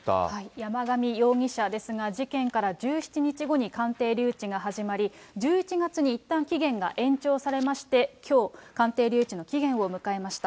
山上容疑者ですが、事件から１７日後に鑑定留置が始まり、１１月にいったん期限が延長されまして、きょう、鑑定留置の期限を迎えました。